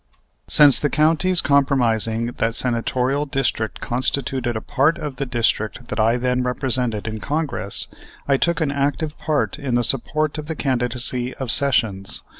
Since the counties comprising that senatorial district constituted a part of the district that I then represented in Congress, I took an active part in the support of the candidacy of Sessions.